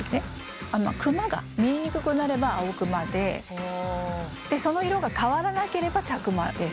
クマが見えにくくなれば青クマでその色が変わらなければ茶クマです。